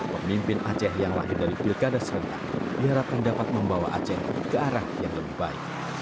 pemimpin aceh yang lahir dari pilkada serentak diharapkan dapat membawa aceh ke arah yang lebih baik